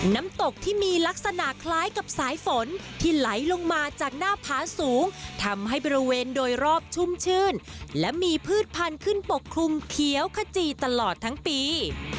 น้ำตกที่มีลักษณะคล้ายกับสายฝนที่ไหลลงมาจากหน้าผาสูงทำให้บริเวณโดยรอบชุ่มชื่นและมีพืชพันธุ์ขึ้นปกคลุมเขียวขจีตลอดทั้งปี